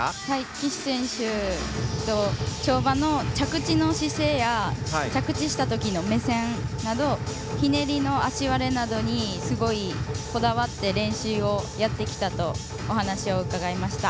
岸選手は跳馬の着地の姿勢や着地した時の目線などひねりの足割れなどにすごいこだわって練習をやってきたとお話を伺いました。